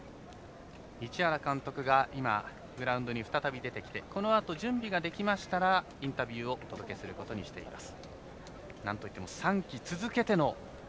市原監督が今グラウンドに再び出てきてこのあと準備ができましたらインタビューをお届けすることになっています。